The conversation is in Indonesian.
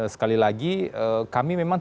sekali lagi kami memang